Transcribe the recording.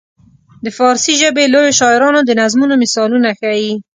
د فارسي ژبې لویو شاعرانو د نظمونو مثالونه ښيي.